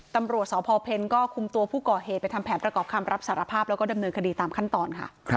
ตำรวจสพเพ็ญก็คุมตัวผู้ก่อเหตุไปทำแผนประกอบคำรับสารภาพแล้วก็ดำเนินคดีตามขั้นตอนค่ะ